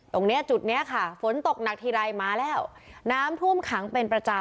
ตรงเนี้ยจุดเนี้ยค่ะฝนตกหนักทีไรมาแล้วน้ำท่วมขังเป็นประจำ